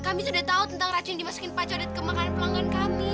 kami sudah tahu tentang racun dimasukin pak codet ke makanan pelanggan kami